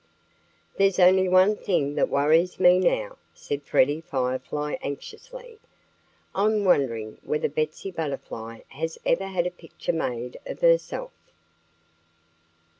"There's only one thing that worries me now," said Freddie Firefly anxiously. "I'm wondering whether Betsy Butterfly has ever had a picture made of herself."